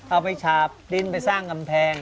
เอาไปฉาบดินไปสร้างกำแพง